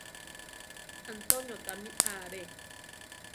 Antonio tamí are.